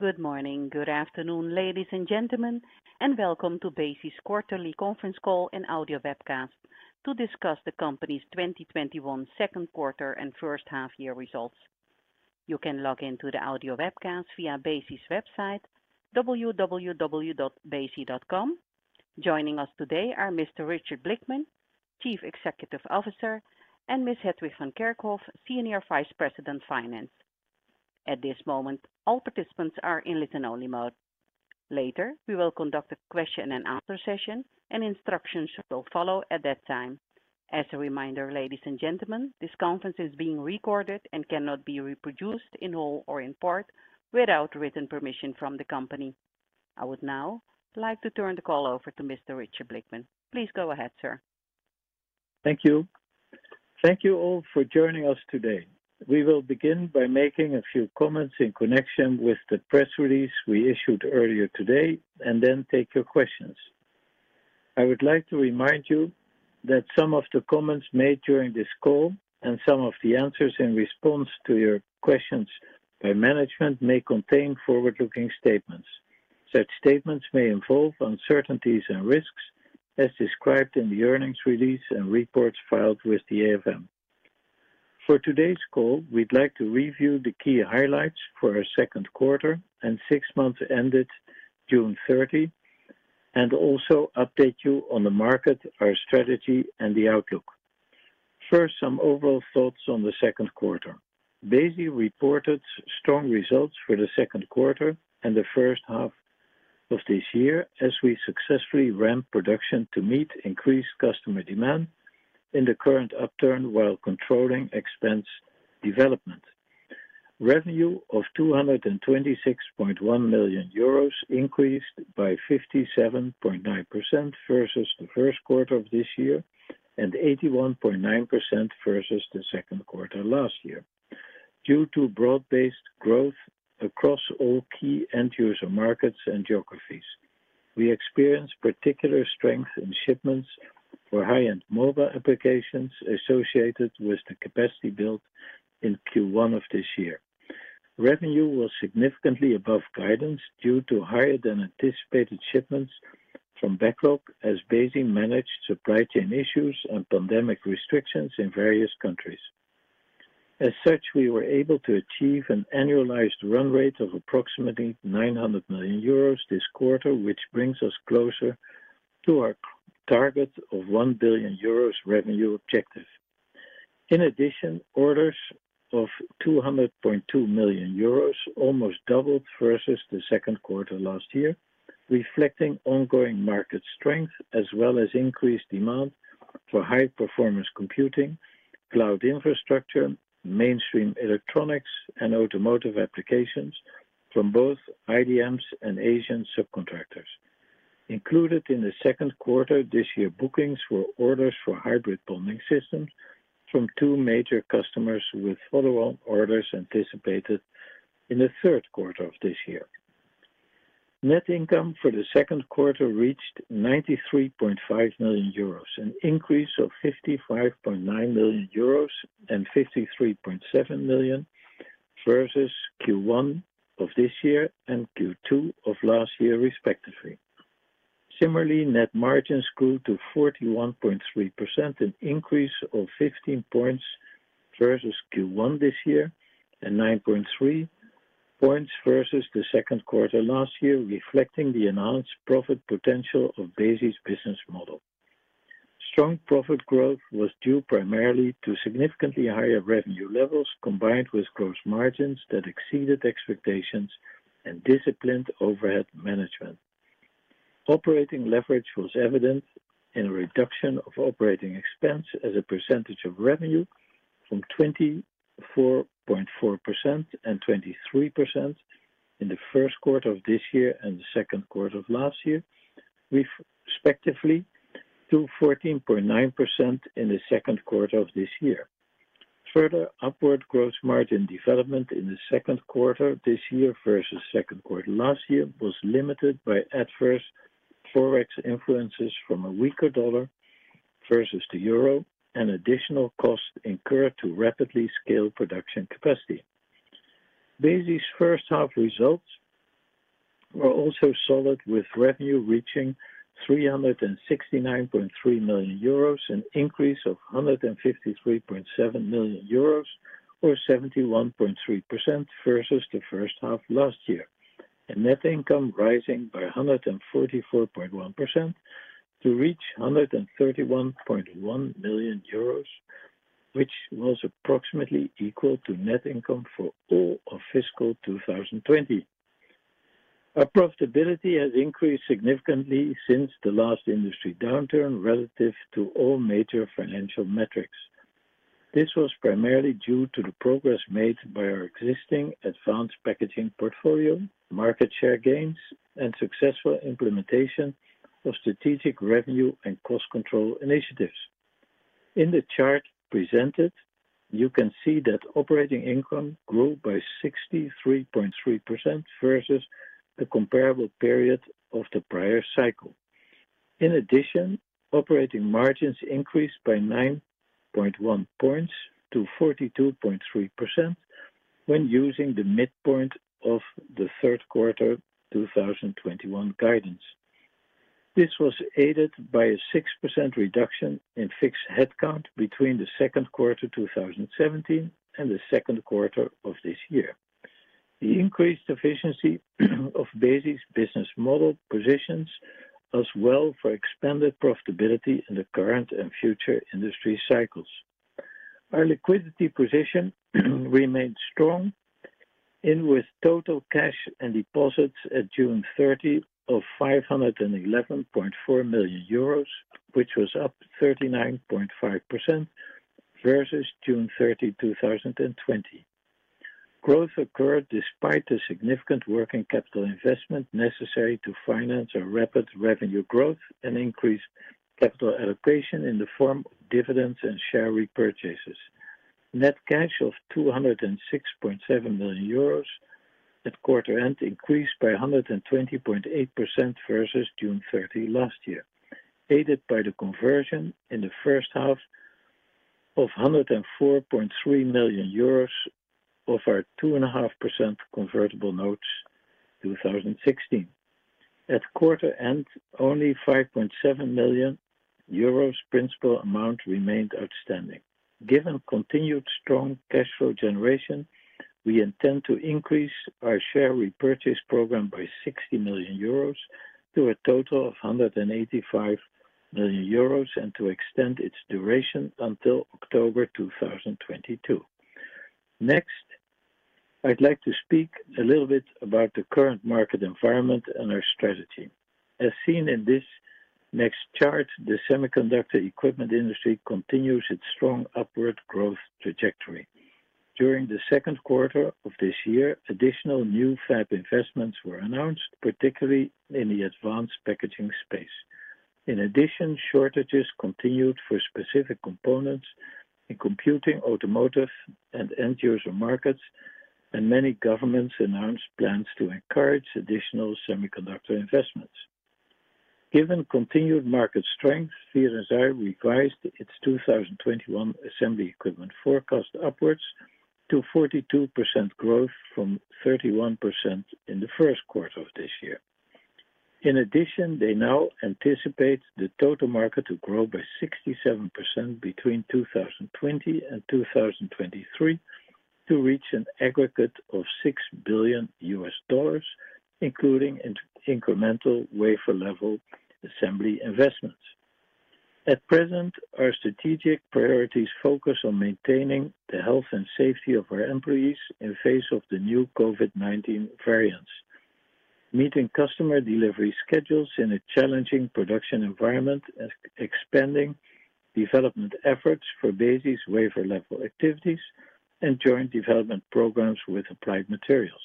Good morning, good afternoon, ladies and gentlemen, and welcome to Besi's quarterly conference call and audio webcast to discuss the company's 2021 second quarter and first half year results. You can log into the audio webcast via Besi's website, www.besi.com. Joining us today are Mr. Richard Blickman, Chief Executive Officer, and Ms. Hetwig van Kerkhof, Senior Vice President, Finance. At this moment, all participants are in listen-only mode. Later, we will conduct a question-and-answer session, and instructions will follow at that time. As a reminder, ladies and gentlemen, this conference is being recorded and cannot be reproduced in whole or in part without written permission from the company. I would now like to turn the call over to Mr. Richard Blickman. Please go ahead, sir. Thank you. Thank you all for joining us today. We will begin by making a few comments in connection with the press release we issued earlier today, and then take your questions. I would like to remind you that some of the comments made during this call, and some of the answers in response to your questions by management, may contain forward-looking statements. Such statements may involve uncertainties and risks as described in the earnings release and reports filed with the AFM. For today's call, we'd like to review the key highlights for our second quarter and six months ended June 30, and also update you on the market, our strategy, and the outlook. First, some overall thoughts on the second quarter. Besi reported strong results for the second quarter and the first half of this year as we successfully ramped production to meet increased customer demand in the current upturn, while controlling expense development. Revenue of 226.1 million euros increased by 57.9% versus the first quarter of this year, and 81.9% versus the second quarter last year, due to broad-based growth across all key end user markets and geographies. We experienced particular strength in shipments for high-end mobile applications associated with the capacity built in Q1 of this year. Revenue was significantly above guidance due to higher than anticipated shipments from backlog as Besi managed supply chain issues and pandemic restrictions in various countries. As such, we were able to achieve an annualized run rate of approximately 900 million euros this quarter, which brings us closer to our target of 1 billion euros revenue objective. In addition, orders of 200.2 million euros almost doubled versus the second quarter last year, reflecting ongoing market strength as well as increased demand for high performance computing, cloud infrastructure, mainstream electronics, and automotive applications from both IDMs and Asian subcontractors. Included in the second quarter this year, bookings for orders for hybrid bonding systems from two major customers with follow-on orders anticipated in the third quarter of this year. Net income for the second quarter reached 93.5 million euros, an increase of 55.9 million euros, and 53.7 million versus Q1 of this year and Q2 of last year respectively. Similarly, net margins grew to 41.3%, an increase of 15 points versus Q1 this year, and 9.3 points versus the second quarter last year, reflecting the enhanced profit potential of Besi's business model. Strong profit growth was due primarily to significantly higher revenue levels, combined with gross margins that exceeded expectations and disciplined overhead management. Operating leverage was evident in a reduction of operating expense as a percentage of revenue from 24.4% and 23% in the first quarter of this year and the second quarter of last year respectively, to 14.9% in the second quarter of this year. Further upward gross margin development in the second quarter this year versus second quarter last year was limited by adverse Forex influences from a weaker dollar versus the euro and additional costs incurred to rapidly scale production capacity. Besi's first half results were also solid, with revenue reaching 369.3 million euros, an increase of 153.7 million euros or 71.3% versus the first half last year, and net income rising by 144.1% to reach 131.1 million euros, which was approximately equal to net income for all of fiscal 2020. Our profitability has increased significantly since the last industry downturn relative to all major financial metrics. This was primarily due to the progress made by our existing advanced packaging portfolio, market share gains, and successful implementation of strategic revenue and cost control initiatives. In the chart presented, you can see that operating income grew by 63.3% versus the comparable period of the prior cycle. In addition, operating margins increased by 9.1 points to 42.3% when using the midpoint of the third quarter 2021 guidance. This was aided by a 6% reduction in fixed headcount between the second quarter 2017 and the second quarter of this year. The increased efficiency of Besi's business model positions us well for expanded profitability in the current and future industry cycles. Our liquidity position remained strong, with total cash and deposits at June 30 of 511.4 million euros, which was up 39.5% versus June 30, 2020. Growth occurred despite a significant working capital investment necessary to finance our rapid revenue growth and increase capital allocation in the form of dividends and share repurchases. Net cash of 206.7 million euros at quarter end increased by 120.8% versus June 30 last year, aided by the conversion in the first half of 104.3 million euros of our 2.5% convertible notes 2016. At quarter end, only 5.7 million euros principal amount remained outstanding. Given continued strong cash flow generation, we intend to increase our share repurchase program by 60 million euros to a total of 185 million euros, and to extend its duration until October 2022. I'd like to speak a little bit about the current market environment and our strategy. As seen in this next chart, the semiconductor equipment industry continues its strong upward growth trajectory. During the second quarter of this year, additional new fab investments were announced, particularly in the advanced packaging space. In addition, shortages continued for specific components in computing, automotive, and end-user markets, and many governments announced plans to encourage additional semiconductor investments. Given continued market strength, VLSI revised its 2021 assembly equipment forecast upwards to 42% growth from 31% in the first quarter of this year. In addition, they now anticipate the total market to grow by 67% between 2020 and 2023 to reach an aggregate of $6 billion, including incremental wafer-level assembly investments. At present, our strategic priorities focus on maintaining the health and safety of our employees in face of the new COVID-19 variants, meeting customer delivery schedules in a challenging production environment, expanding development efforts for Besi wafer-level activities, and joint development programs with Applied Materials,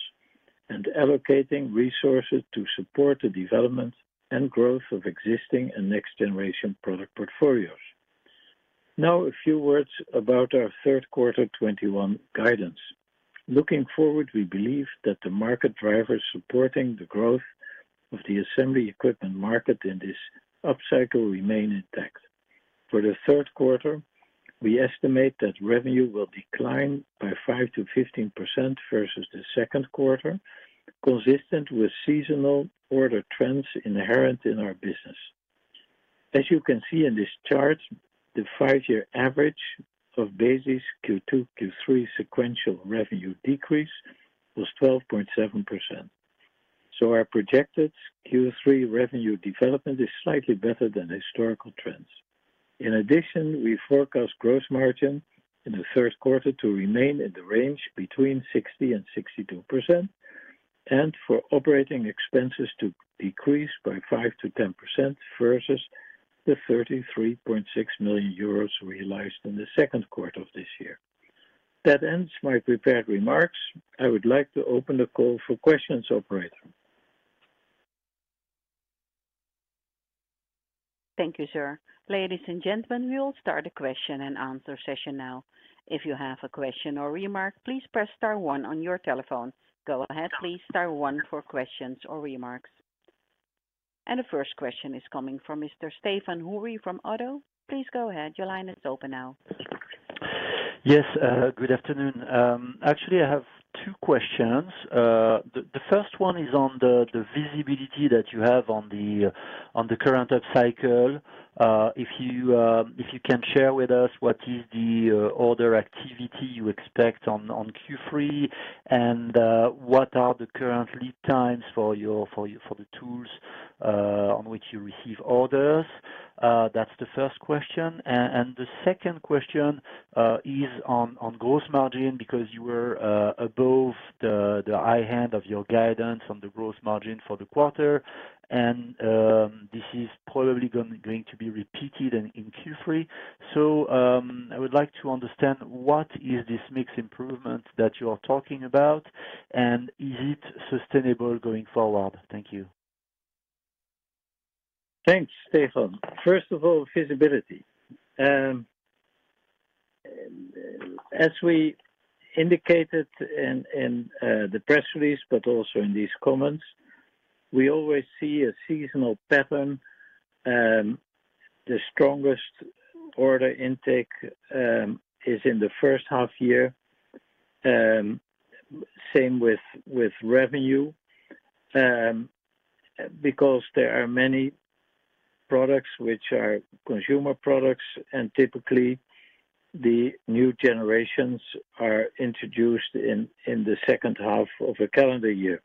and allocating resources to support the development and growth of existing and next-generation product portfolios. A few words about our third quarter 2021 guidance. Looking forward, we believe that the market drivers supporting the growth of the assembly equipment market in this upcycle remain intact. For the third quarter, we estimate that revenue will decline by 5%-15% versus the second quarter, consistent with seasonal order trends inherent in our business. As you can see in this chart, the five-year average of Besi's Q2, Q3 sequential revenue decrease was 12.7%. Our projected Q3 revenue development is slightly better than historical trends. In addition, we forecast gross margin in the third quarter to remain in the range between 60% and 62%, and for operating expenses to decrease by 5%-10% versus the 33.6 million euros realized in the second quarter of this year. That ends my prepared remarks. I would like to open the call for questions, operator. Thank you, sir. Ladies and gentlemen, we will start the question-and-answer session now. If you have a question or remark, please press star one on your telephone. Go ahead please, star one for questions or remarks. The first question is coming from Mr. Stéphane Houri from ODDO. Please go ahead. Your line is open now. Yes, good afternoon. Actually, I have two questions. The first one is on the visibility that you have on the current upcycle. If you can share with us what is the order activity you expect on Q3, and what are the current lead times for the tools on which you receive orders? That's the first question. The second question is on gross margin, because you were above the high end of your guidance on the gross margin for the quarter, and this is probably going to be repeated in Q3. I would like to understand what is this mix improvement that you are talking about, and is it sustainable going forward? Thank you. Thanks, Stéphane. First of all, visibility. As we indicated in the press release, but also in these comments, we always see a seasonal pattern. The strongest order intake is in the first half year. Same with revenue, because there are many products which are consumer products, and typically the new generations are introduced in the second half of a calendar year.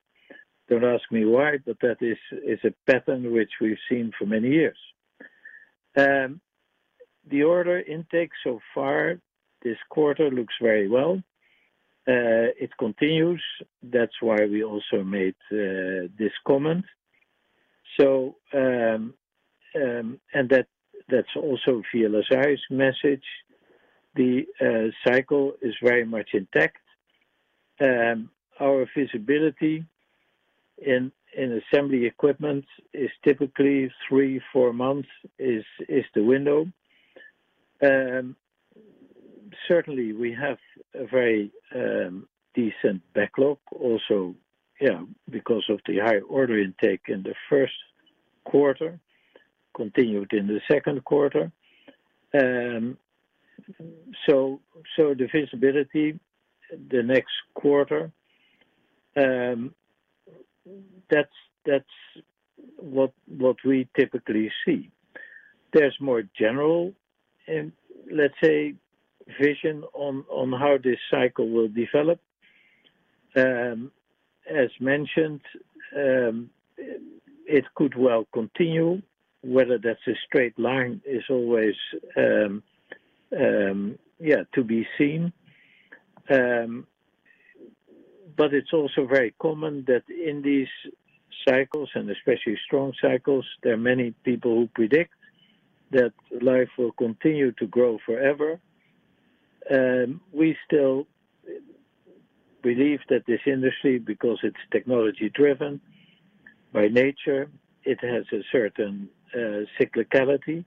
Don't ask me why, but that is a pattern which we've seen for many years. The order intake so far this quarter looks very well. It continues. That's why we also made this comment. That's also VLSI's message. The cycle is very much intact. Our visibility in assembly equipment is typically three, four months is the window. Certainly, we have a very decent backlog also because of the high order intake in the first quarter, continued in the second quarter. The visibility the next quarter, that's what we typically see. There's more general, let's say, vision on how this cycle will develop. As mentioned, it could well continue, whether that's a straight line is always to be seen. It's also very common that in these cycles, and especially strong cycles, there are many people who predict that life will continue to grow forever. We still believe that this industry, because it's technology-driven by nature, it has a certain cyclicality.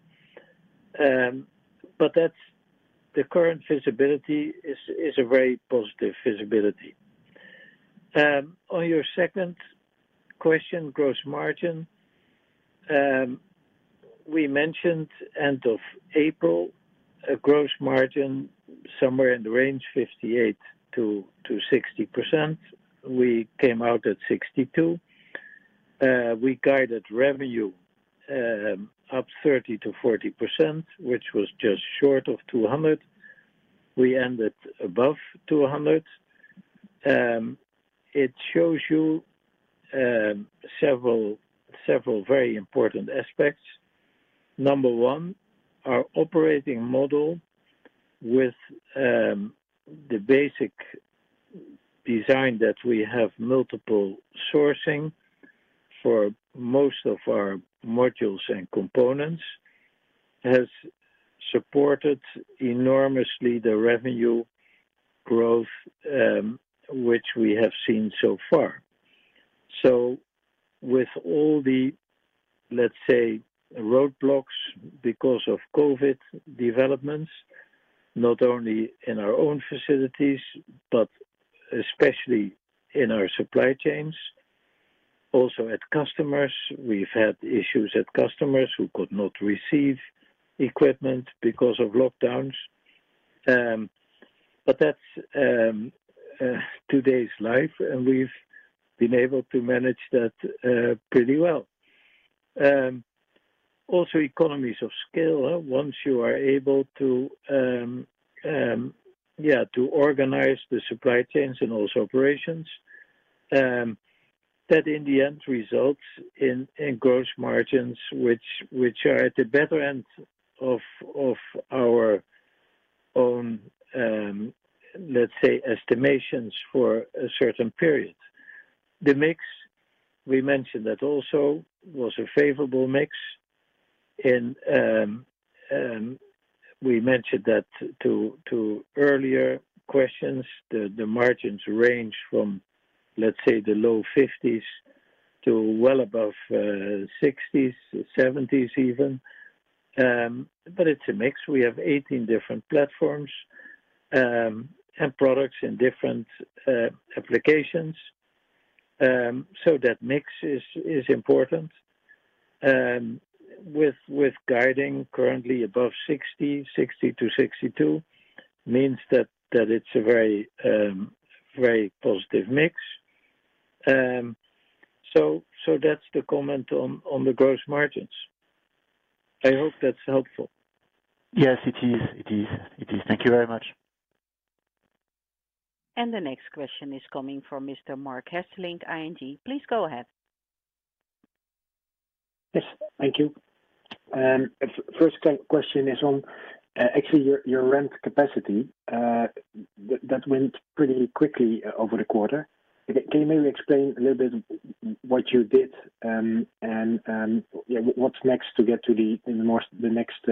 The current visibility is a very positive visibility. On your second question, gross margin. We mentioned end of April, a gross margin somewhere in the range 58%-60%. We came out at 62%. We guided revenue up 30%-40%, which was just short of 200 million. We ended above 200 million. It shows you several very important aspects. Number one, our operating model with the basic design that we have multiple sourcing for most of our modules and components has supported enormously the revenue growth which we have seen so far, with all the, let's say, roadblocks because of COVID developments, not only in our own facilities, but especially in our supply chains, also at customers. We've had issues at customers who could not receive equipment because of lockdowns. That's today's life, and we've been able to manage that pretty well. Also economies of scale, once you are able to organize the supply chains and those operations, that in the end results in gross margins which are at the better end of our own, let's say, estimations for a certain period. The mix, we mentioned that also was a favorable mix. We mentioned that to earlier questions. The margins range from, let's say, the low 50s to well above 60s, 70s even. It's a mix. We have 18 different platforms, and products in different applications. That mix is important. With guiding currently above 60%-62% means that it's a very positive mix. That's the comment on the gross margins. I hope that's helpful. Yes, it is. Thank you very much. The next question is coming from Mr. Marc Hesselink, ING. Please go ahead. Yes. Thank you. First question is on actually your ramp capacity. That went pretty quickly over the quarter. Can you maybe explain a little bit what you did, what's next to get to the next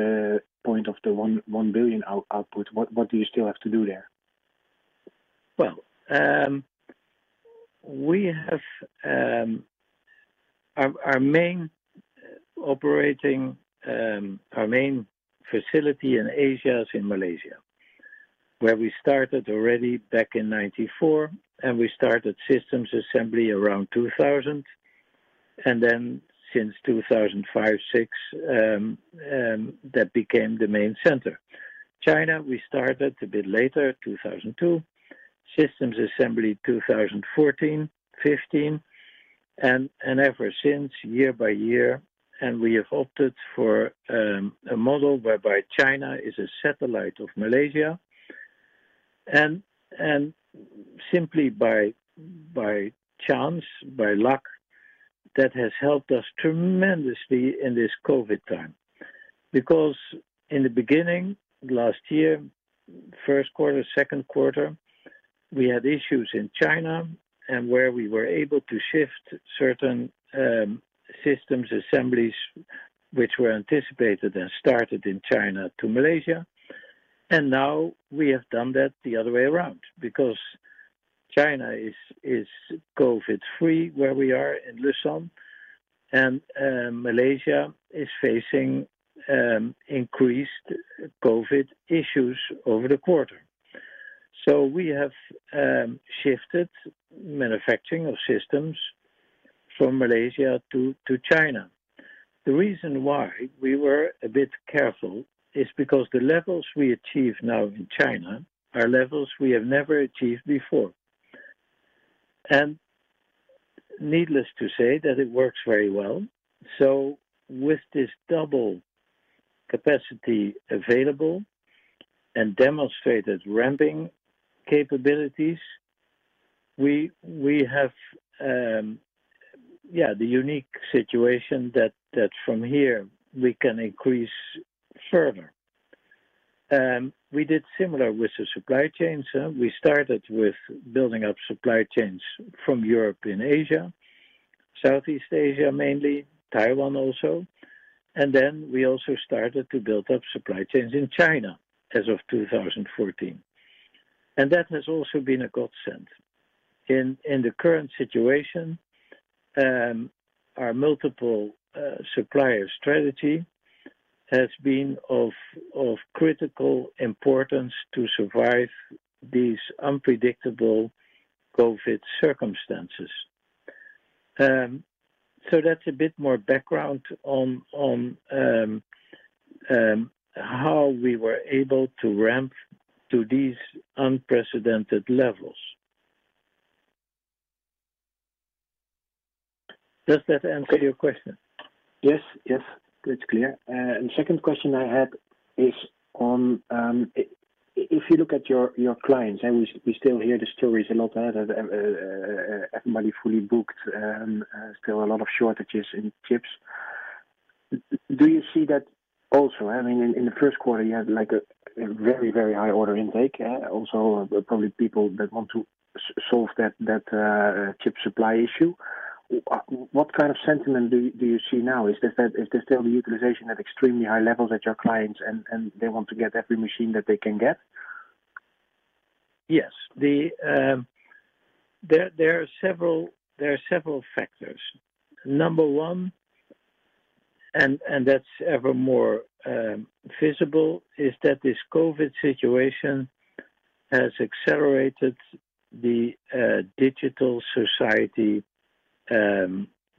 point of the 1 billion output? What do you still have to do there? Well, our main facility in Asia is in Malaysia, where we started already back in 1994. We started systems assembly around 2000. Since 2005/2006, that became the main center. China, we started a bit later, 2002. Systems assembly, 2014/2015. Ever since, year-by-year, and we have opted for a model whereby China is a satellite of Malaysia, and simply by chance, by luck, that has helped us tremendously in this COVID time. In the beginning, last year, first quarter, second quarter, we had issues in China, and where we were able to shift certain systems assemblies which were anticipated and started in China to Malaysia. Now we have done that the other way around, because China is COVID free, where we are in Leshan, and Malaysia is facing increased COVID issues over the quarter. We have shifted manufacturing of systems from Malaysia to China. The reason why we were a bit careful is because the levels we achieve now in China are levels we have never achieved before. Needless to say, that it works very well. With this double capacity available and demonstrated ramping capabilities, we have the unique situation that from here we can increase further. We did similar with the supply chains. We started with building up supply chains from Europe and Asia, Southeast Asia mainly, Taiwan also, and then we also started to build up supply chains in China as of 2014. That has also been a godsend. In the current situation, our multiple supplier strategy has been of critical importance to survive these unpredictable COVID circumstances. That's a bit more background on how we were able to ramp to these unprecedented levels. Does that answer your question? Yes. It's clear. Second question I had is on, if you look at your clients, and we still hear the stories a lot, everybody fully booked, still a lot of shortages in chips. Do you see that also? I mean, in the first quarter, you had a very high order intake. Probably people that want to solve that chip supply issue. What kind of sentiment do you see now? Is there still the utilization at extremely high levels at your clients, and they want to get every machine that they can get? Yes. There are several factors. Number 1, and that's ever more visible, is that this COVID situation has accelerated the digital society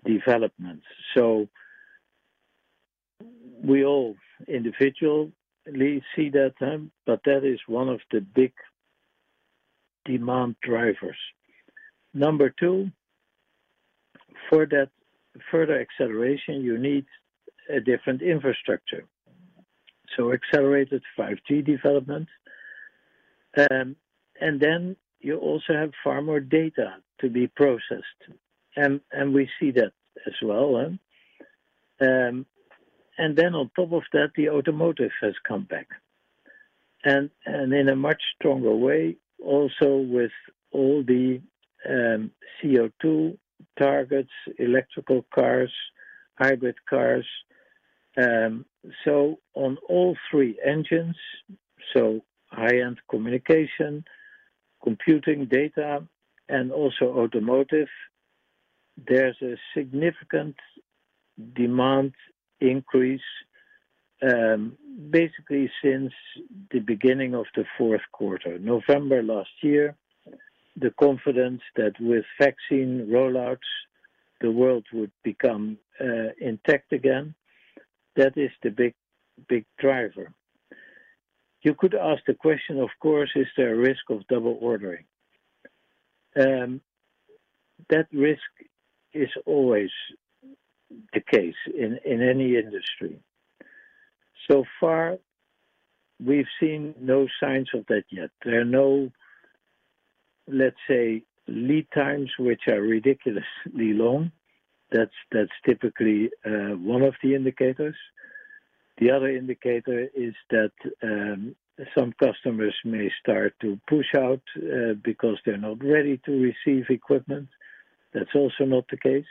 developments. We all individually see that, but that is 1 of the big demand drivers. Number 2, for that further acceleration, you need a different infrastructure, accelerated 5G development. You also have far more data to be processed, and we see that as well. On top of that, the automotive has come back, and in a much stronger way, also with all the CO2 targets, electrical cars, hybrid cars. On all three engines, so high-end communication, computing data, and also automotive, there's a significant demand increase, basically since the beginning of the fourth quarter, November last year. The confidence that with vaccine rollouts, the world would become intact again, that is the big driver. You could ask the question, of course, is there a risk of double ordering? That risk is always the case in any industry. We've seen no signs of that yet. There are no, let's say, lead times which are ridiculously long. That's typically one of the indicators. The other indicator is that some customers may start to push out because they're not ready to receive equipment. That's also not the case.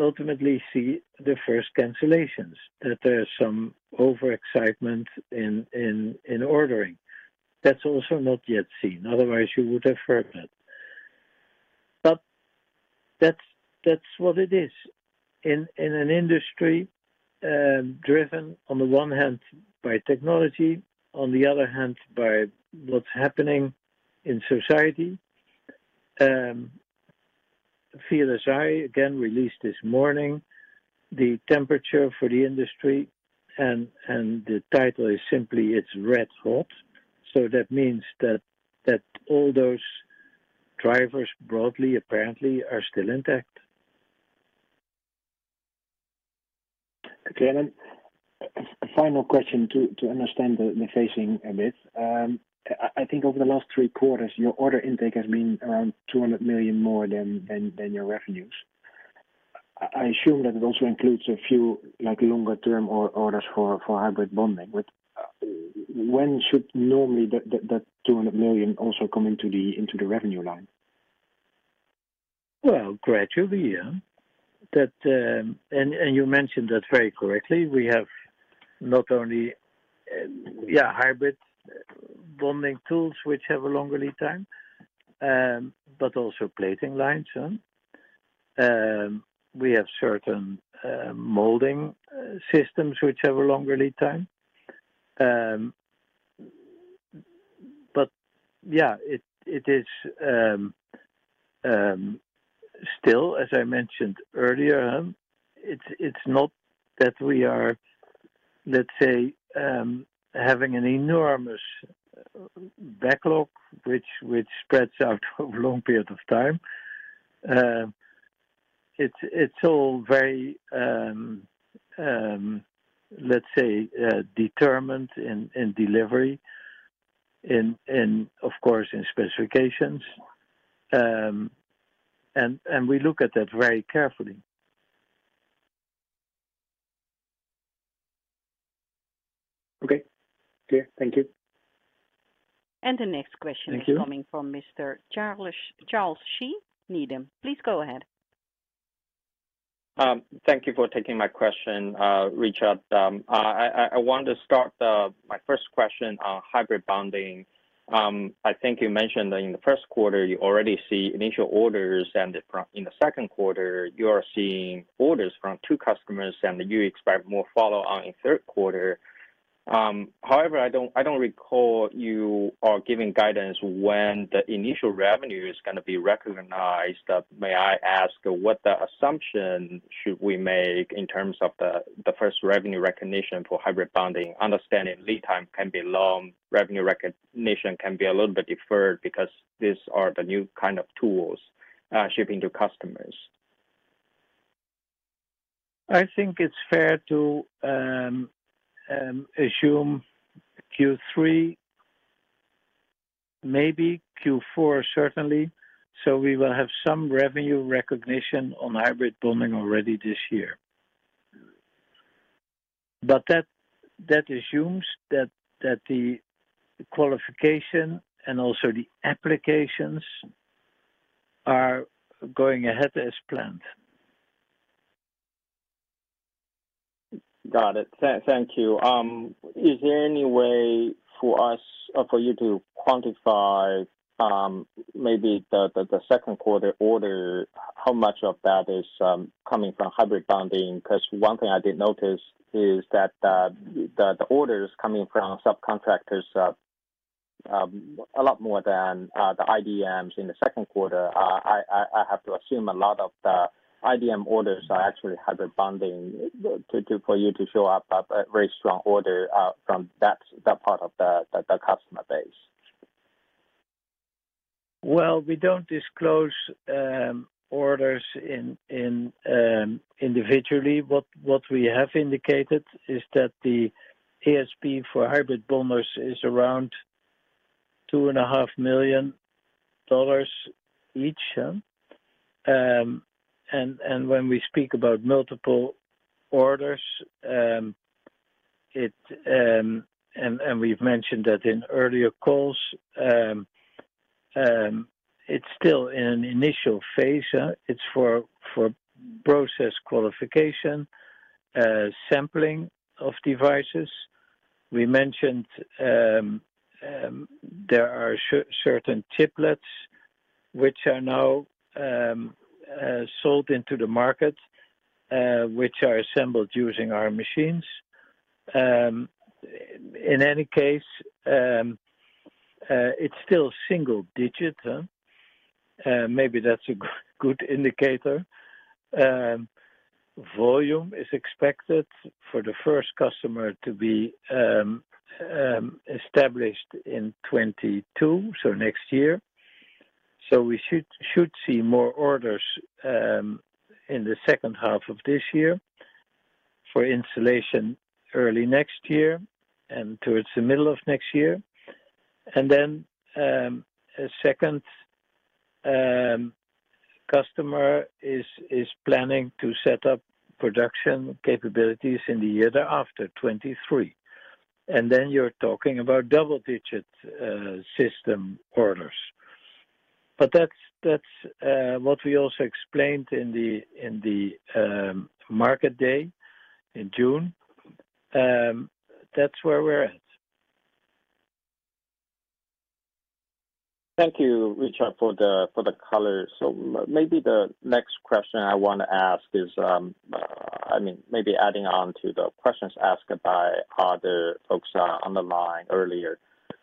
Ultimately see the first cancellations, that there's some overexcitement in ordering. That's also not yet seen, otherwise you would have heard that. That's what it is in an industry driven on the one hand by technology, on the other hand, by what's happening in society. VLSI, again, released this morning, the temperature for the industry and the title is simply, it's red hot. That means that all those drivers broadly, apparently, are still intact. Okay. A final question to understand the phasing a bit. I think over the last three quarters, your order intake has been around 200 million more than your revenues. I assume that it also includes a few longer-term orders for hybrid bonding. When should normally that 200 million also come into the revenue line? Gradually, yeah. You mentioned that very correctly. We have not only hybrid bonding tools, which have a longer lead time, but also plating lines. We have certain molding systems which have a longer lead time. Yeah, it is still, as I mentioned earlier, it's not that we are, let's say, having an enormous backlog, which spreads out over long periods of time. It's all very, let's say, determined in delivery and, of course, in specifications. We look at that very carefully. Okay. Clear. Thank you. And the next question- Thank you. is coming from Mr. Charles Shi, Needham. Please go ahead. Thank you for taking my question, Richard. I want to start my first question on hybrid bonding. I think you mentioned that in the first quarter you already see initial orders, and in the second quarter, you are seeing orders from two customers, and you expect more follow-on in the third quarter. However, I don't recall you are giving guidance when the initial revenue is going to be recognized. May I ask what the assumption should we make in terms of the first revenue recognition for hybrid bonding, understanding lead time can be long, revenue recognition can be a little bit deferred because these are the new kind of tools shipping to customers. I think it's fair to assume Q3, maybe Q4, certainly. We will have some revenue recognition on hybrid bonding already this year. That assumes that the qualification and also the applications are going ahead as planned. Got it. Thank you. Is there any way for you to quantify maybe the second quarter order, how much of that is coming from hybrid bonding? One thing I did notice is that the orders coming from subcontractors are a lot more than the IDMs in the second quarter. I have to assume a lot of the IDM orders are actually hybrid bonding for you to show up a very strong order from that part of the customer base. Well, we don't disclose orders individually. What we have indicated is that the ASP for hybrid bonders is around $2.5 million each. When we speak about multiple orders, and we've mentioned that in earlier calls, it's still in initial phase. It's for process qualification, sampling of devices. We mentioned there are certain chiplets which are now sold into the market, which are assembled using our machines. In any case, it's still single-digit. Maybe that's a good indicator. Volume is expected for the first customer to be established in 2022, so next year. We should see more orders in the second half of this year for installation early next year and towards the middle of next year. A second customer is planning to set up production capabilities in the year thereafter, 2023. You're talking about double-digit system orders. That's what we also explained in the Market Day in June. That's where we're at. Thank you, Richard, for the color. The next question I want to ask is, adding on to the questions asked by other folks on the line earlier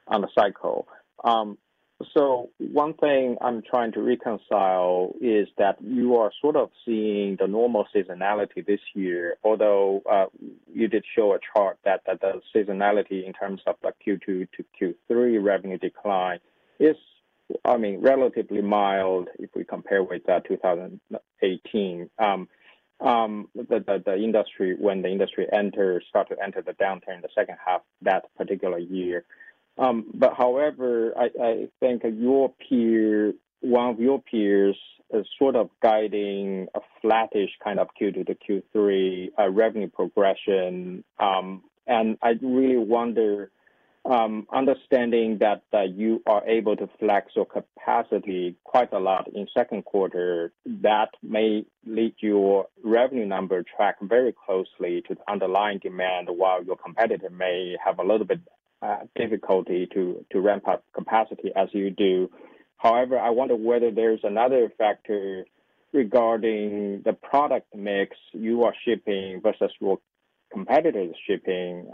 on the cycle. One thing I'm trying to reconcile is that you are sort of seeing the normal seasonality this year, although you did show a chart that the seasonality in terms of the Q2 to Q3 revenue decline is relatively mild if we compare with 2018, when the industry started to enter the downturn in the second half of that particular year. However, I think one of your peers is sort of guiding a flattish kind of Q2 to Q3 revenue progression. I really wonder, understanding that you are able to flex your capacity quite a lot in the second quarter, that may lead your revenue number track very closely to the underlying demand, while your competitor may have a little bit of difficulty to ramp up capacity as you do. However, I wonder whether there's another factor regarding the product mix you are shipping versus what competitors are shipping.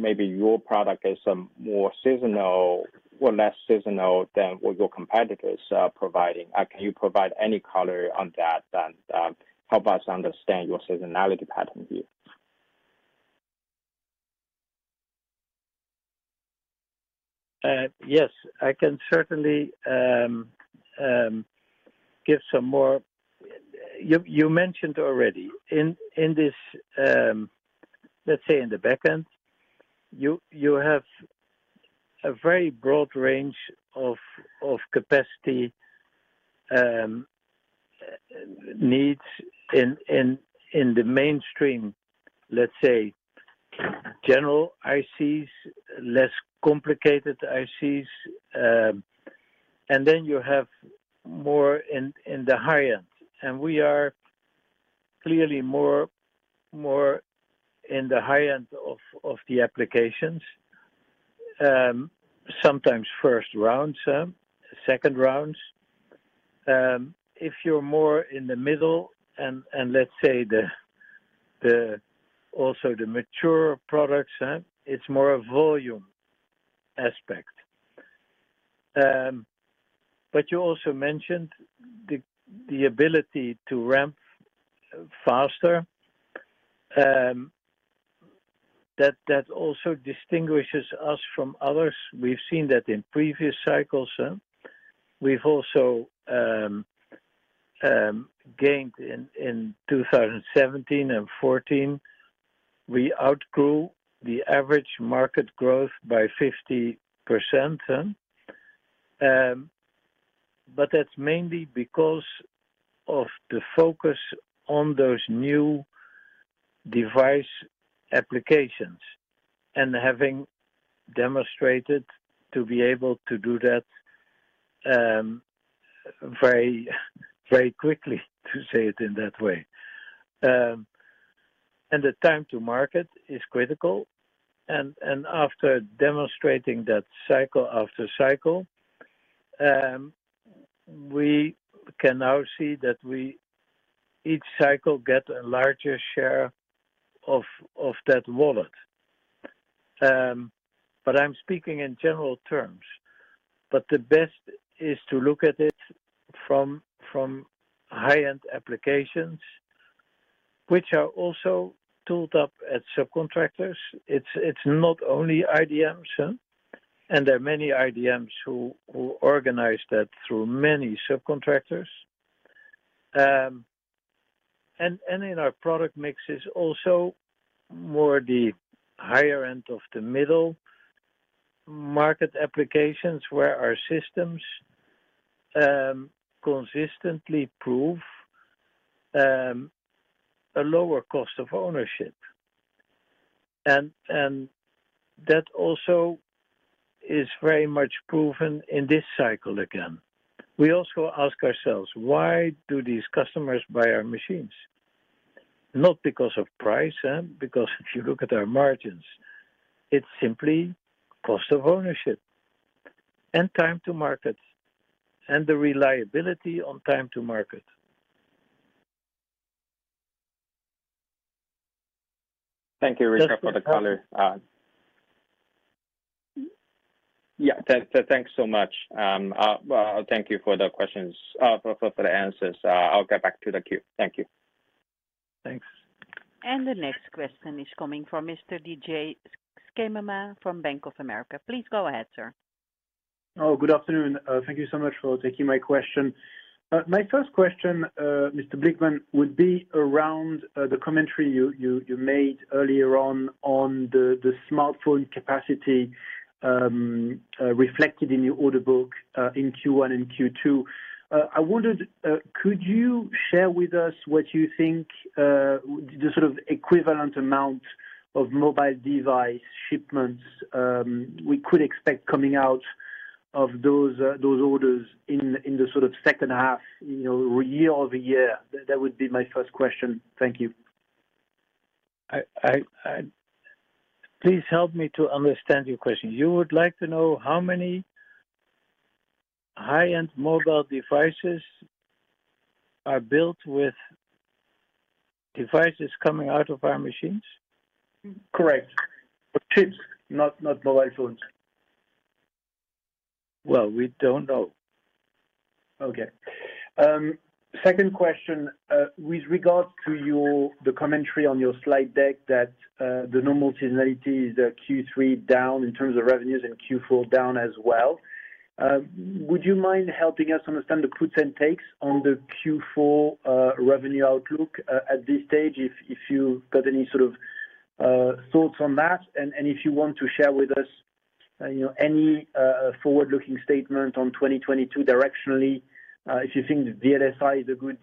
Maybe your product is more seasonal or less seasonal than what your competitors are providing. Can you provide any color on that and help us understand your seasonality pattern view? Yes. I can certainly give some more. You mentioned already, let's say in the back end, you have a very broad range of capacity needs in the mainstream, let's say, general ICs, less complicated ICs, and then you have more in the high end. We are clearly more in the high end of the applications. Sometimes first rounds, second rounds. If you're more in the middle, and let's say also the mature products, it's more a volume aspect. You also mentioned the ability to ramp faster. That also distinguishes us from others. We've seen that in previous cycles. We've also gained in 2017 and 2014. We outgrew the average market growth by 50%. That's mainly because of the focus on those new device applications, and having demonstrated to be able to do that very quickly, to say it in that way. The time to market is critical. After demonstrating that cycle after cycle, we can now see that each cycle gets a larger share of that wallet. I'm speaking in general terms. The best is to look at it from high-end applications, which are also tooled up at subcontractors. It's not only IDMs. There are many IDMs who organize that through many subcontractors. In our product mix is also more the higher end of the middle market applications, where our systems consistently prove a lower cost of ownership. That also is very much proven in this cycle again. We also ask ourselves, "Why do these customers buy our machines?" Not because of price, because if you look at our margins, it's simply cost of ownership and time to market, and the reliability on time to market. Thank you, Richard, for the color. Thanks so much. Thank you for the answers. I'll get back to the queue. Thank you. Thanks. The next question is coming from Mr. Didier Scemama from Bank of America. Please go ahead, sir. Oh, good afternoon. Thank you so much for taking my question. My first question, Mr. Blickman, would be around the commentary you made earlier on the smartphone capacity reflected in your order book in Q1 and Q2. I wondered, could you share with us what you think the equivalent amount of mobile device shipments we could expect coming out of those orders in the second half year-over-year. That would be my first question. Thank you. Please help me to understand your question. You would like to know how many high-end mobile devices are built with devices coming out of our machines? Correct. For chips, not mobile phones. Well, we don't know. Okay. Second question. With regard to the commentary on your slide deck that the normal seasonality is Q3 down in terms of revenues and Q4 down as well, would you mind helping us understand the puts and takes on the Q4 revenue outlook at this stage, if you've got any thoughts on that, and if you want to share with us any forward-looking statement on 2022 directionally, if you think VLSI is a good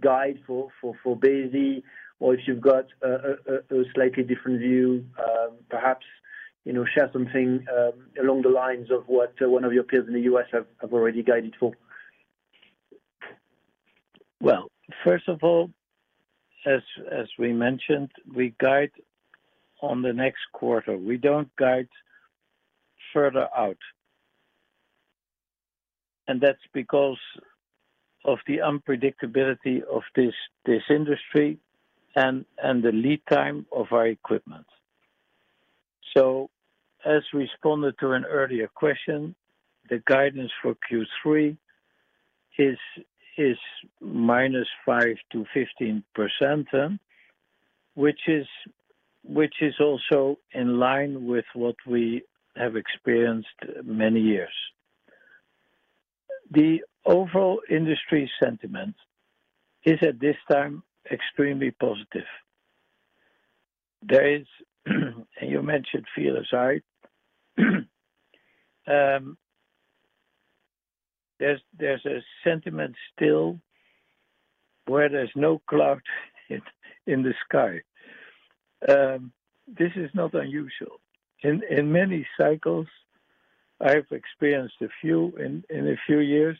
guide for Besi, or if you've got a slightly different view, perhaps, share something along the lines of what one of your peers in the U.S. have already guided for. First of all, as we mentioned, we guide on the next quarter. We don't guide further out. That's because of the unpredictability of this industry and the lead time of our equipment. As responded to an earlier question, the guidance for Q3 is -5% to 15%, which is also in line with what we have experienced many years. The overall industry sentiment is, at this time, extremely positive. You mentioned VLSI. There's a sentiment still where there's no cloud in the sky. This is not unusual. In many cycles, I have experienced a few in a few years,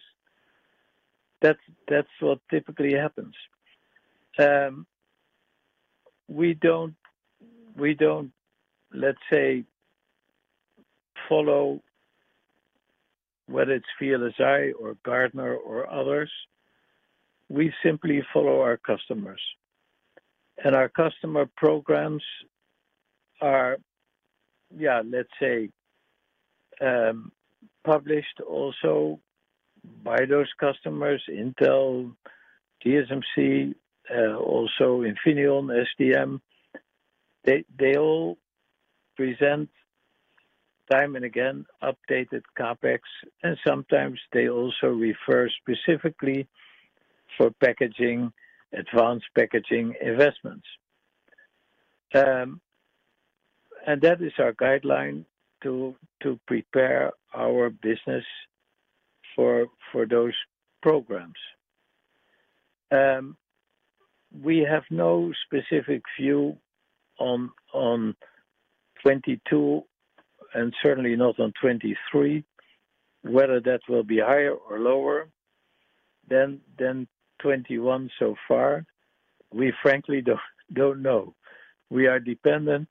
that's what typically happens. We don't, let's say, follow whether it's VLSI or Gartner or others. We simply follow our customers. Our customer programs are, let's say, published also by those customers, Intel, TSMC, also Infineon, STM. They all present time and again updated CapEx, and sometimes they also refer specifically for advanced packaging investments. That is our guideline to prepare our business for those programs. We have no specific view on 2022, and certainly not on 2023, whether that will be higher or lower than 2021 so far. We frankly don't know. We are dependent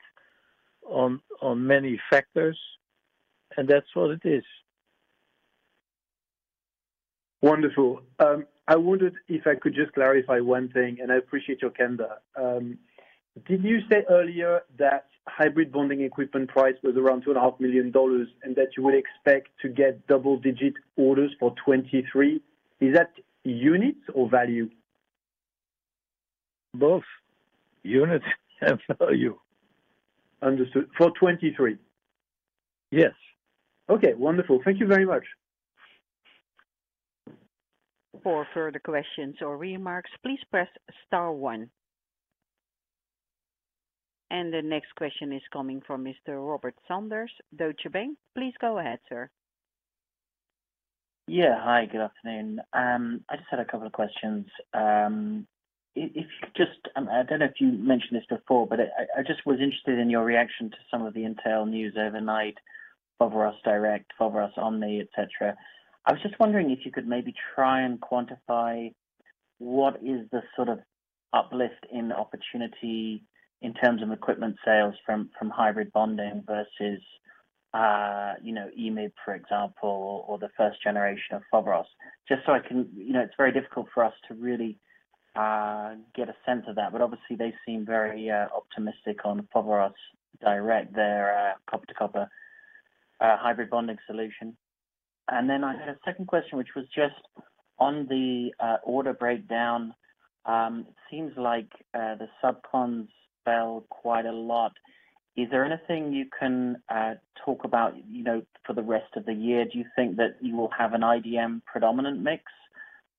on many factors, and that's what it is. Wonderful. I wondered if I could just clarify one thing, and I appreciate your candor. Did you say earlier that hybrid bonding equipment price was around EUR 2.5 million, and that you would expect to get double-digit orders for 2023? Is that units or value? Both units and value. Understood. For 2023? Yes. Okay, wonderful. Thank you very much. For further questions or remarks, please press star one. The next question is coming from Mr. Robert Sanders, Deutsche Bank. Please go ahead, sir. Hi, good afternoon. I just had a couple of questions. I don't know if you mentioned this before, I just was interested in your reaction to some of the Intel news overnight, Foveros Direct, Foveros Omni, et cetera. I was just wondering if you could maybe try and quantify what is the uplift in opportunity in terms of equipment sales from hybrid bonding versus EMIB, for example, or the first generation of Foveros. It's very difficult for us to really get a sense of that, obviously they seem very optimistic on Foveros Direct, their copper-to-copper hybrid bonding solution. I had a second question, which was just on the order breakdown. It seems like the subcontractors fell quite a lot. Is there anything you can talk about for the rest of the year? Do you think that you will have an IDM-predominant mix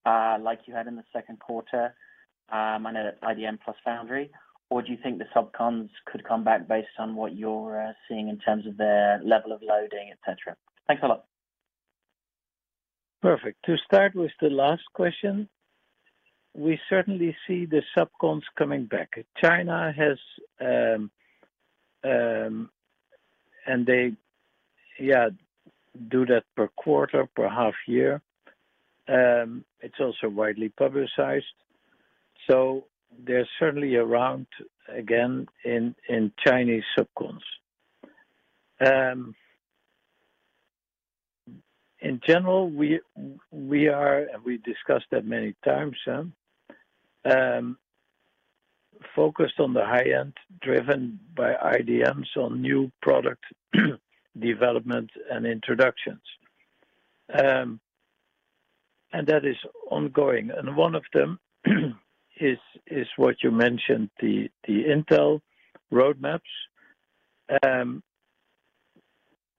like you had in the second quarter? I know that's IDM plus foundry. Do you think the subcontractors could come back based on what you're seeing in terms of their level of loading, et cetera? Thanks a lot. Perfect. To start with the last question, we certainly see the subcons coming back. They do that per quarter, per half year. It's also widely publicized. They're certainly around again in Chinese subcons. In general, we are, and we discussed that many times, focused on the high-end, driven by IDMs on new product development and introductions. That is ongoing, and one of them is what you mentioned, the Intel roadmaps.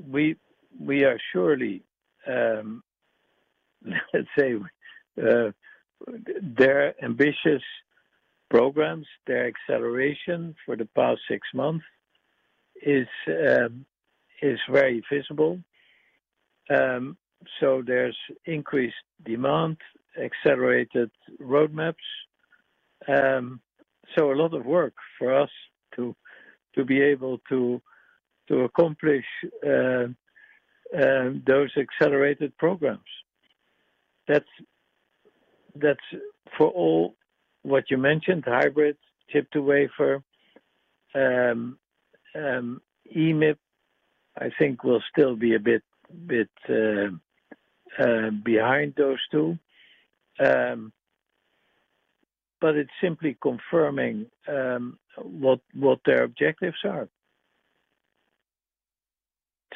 We are surely, let's say, their ambitious programs, their acceleration for the past six months is very visible. There's increased demand, accelerated roadmaps. A lot of work for us to be able to accomplish those accelerated programs. That's for all what you mentioned, hybrids, chip-to-wafer. EMIB, I think will still be a bit behind those two. It's simply confirming what their objectives are.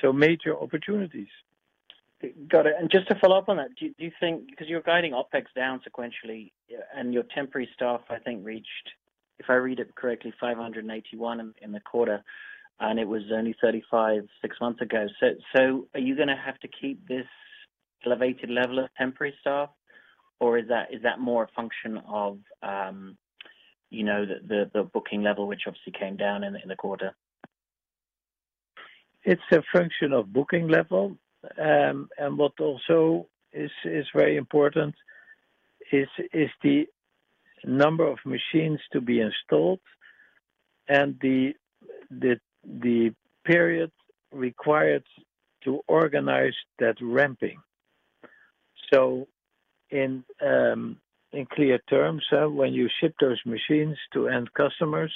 Major opportunities. Got it. Just to follow up on that, do you think, because you're guiding OpEx down sequentially and your temporary staff, I think reached, if I read it correctly, 581 in the quarter, and it was only 35 six months ago. Are you going to have to keep this elevated level of temporary staff, or is that more a function of the booking level, which obviously came down in the quarter? It's a function of booking level, and what also is very important is the number of machines to be installed, and the period required to organize that ramping. In clear terms, when you ship those machines to end customers,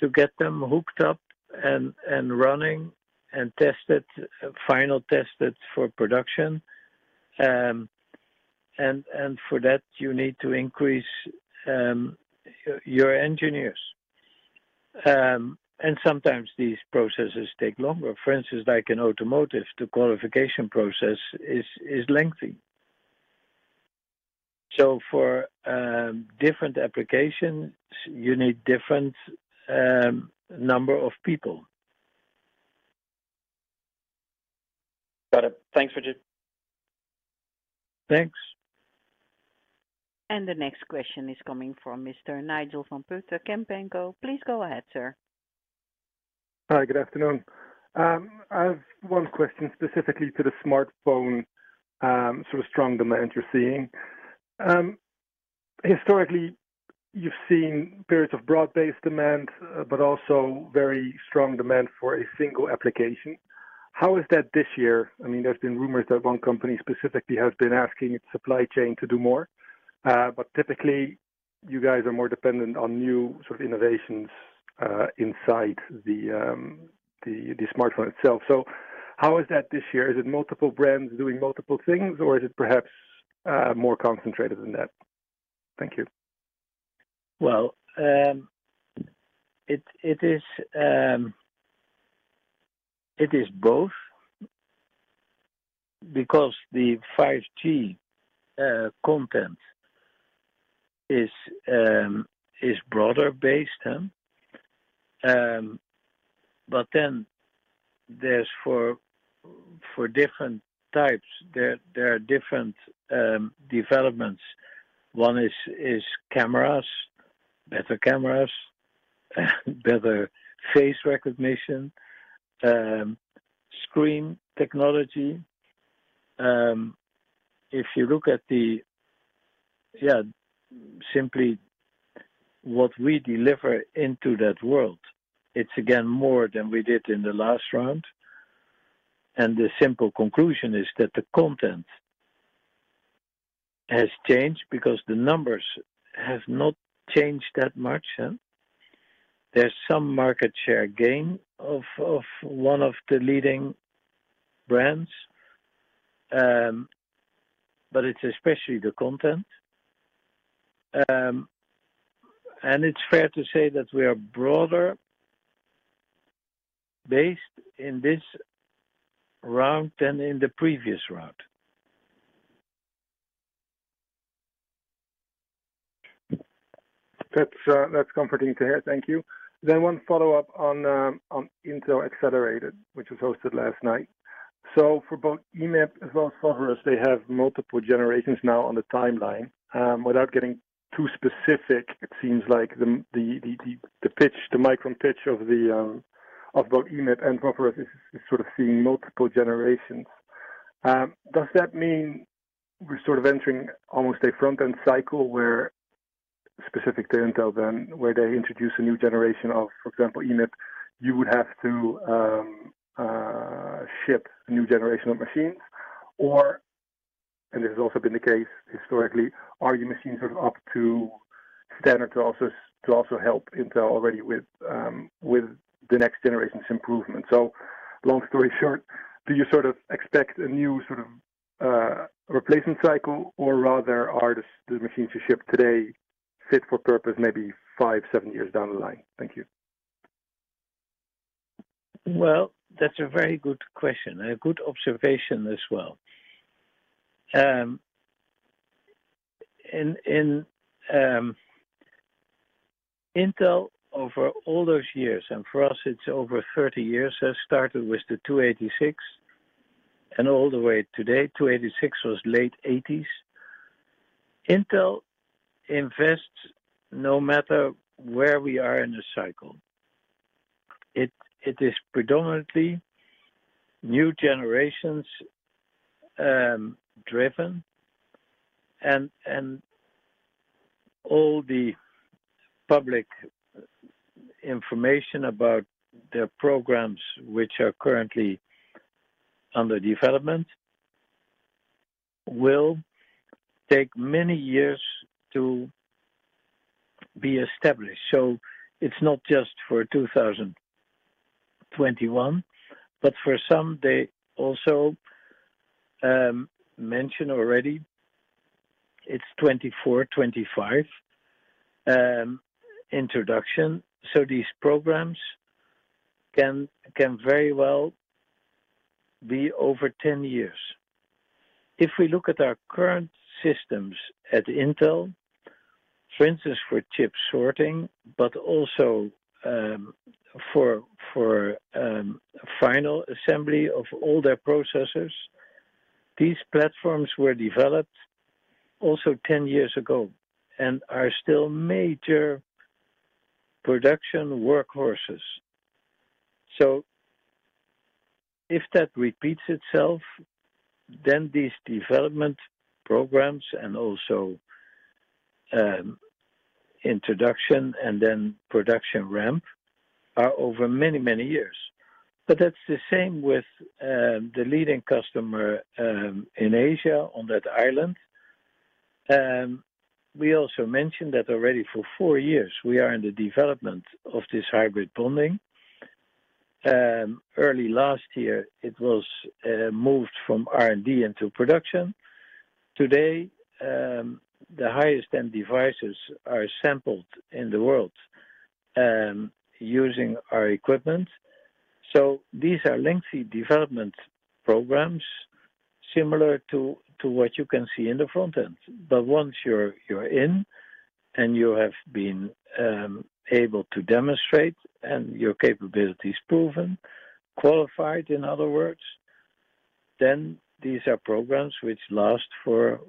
to get them hooked up and running and final tested for production, and for that, you need to increase your engineers. Sometimes these processes take longer. For instance, like in automotive, the qualification process is lengthy. For different applications, you need different number of people. Got it. Thanks, Richard. Thanks. The next question is coming from Mr. Nigel van Putten, Kempen & Co. Please go ahead, sir. Hi, good afternoon. I have one question specifically to the smartphone sort of strong demand you're seeing. Historically, you've seen periods of broad-based demand, but also very strong demand for a single application. How is that this year? There's been rumors that one company specifically has been asking its supply chain to do more. Typically, you guys are more dependent on new sort of innovations inside the smartphone itself. How is that this year? Is it multiple brands doing multiple things, or is it perhaps more concentrated than that? Thank you. Well, it is both because the 5G content is broader based. There's for different types, there are different developments. One is cameras, better cameras, better face recognition, screen technology. If you look at simply what we deliver into that world, it's again more than we did in the last round. The simple conclusion is that the content has changed because the numbers have not changed that much. There's some market share gain of one of the leading brands, but it's especially the content. It's fair to say that we are broader based in this round than in the previous round. That's comforting to hear. Thank you. One follow-up on Intel Accelerated, which was hosted last night. For both EMIB as well as Foveros, they have multiple generations now on the timeline. Without getting too specific, it seems like the micron pitch Of both EMIB and Foveros is sort of seeing multiple generations. Does that mean we're sort of entering almost a front-end cycle where specific to Intel then, where they introduce a new generation of, for example, EMIB, you would have to ship a new generation of machines, or, and this has also been the case historically, are your machines sort of up to standard to also help Intel already with the next generation's improvement? Long story short, do you sort of expect a new sort of replacement cycle or rather are the machines you ship today fit for purpose maybe five, seven years down the line? Thank you. Well, that's a very good question, a good observation as well. Intel over all those years, and for us it's over 30 years, has started with the 286 and all the way to today. 286 was late '80s. Intel invests no matter where we are in the cycle. It is predominantly new generations driven and all the public information about their programs which are currently under development will take many years to be established. It's not just for 2021, but for some they also mention already it's 2024, 2025 introduction. These programs can very well be over 10 years. If we look at our current systems at Intel, for instance for chip sorting, but also for final assembly of all their processors, these platforms were developed also 10 years ago and are still major production workhorses. If that repeats itself, then these development programs and also introduction and then production ramp are over many, many years. That's the same with the leading customer in Asia on that island. We also mentioned that already for four years we are in the development of this hybrid bonding. Early last year it was moved from R&D into production. Today, the highest-end devices are sampled in the world using our equipment. These are lengthy development programs similar to what you can see in the front end. Once you're in and you have been able to demonstrate and your capability is proven, qualified in other words, then these are programs which last for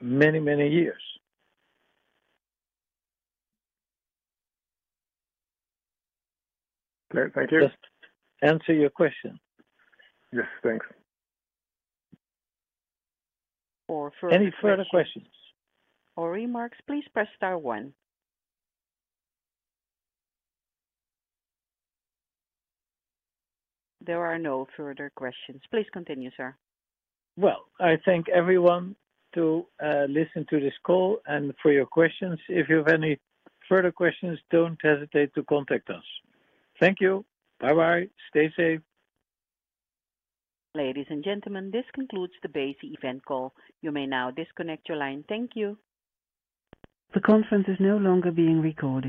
many, many years. Great. Thank you. Does that answer your question? Yes, thanks. For further questions. Any further questions? Or remarks, please press star one. There are no further questions. Please continue, sir. Well, I thank everyone to listen to this call and for your questions. If you have any further questions, don't hesitate to contact us. Thank you. Bye-bye. Stay safe. Ladies and gentlemen, this concludes the Besi event call. You may now disconnect your line. Thank you. The conference is no longer being recorded.